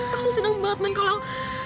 aku senang banget man kalau